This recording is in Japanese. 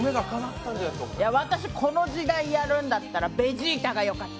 私、この時代やるんだったらベジータがよかった。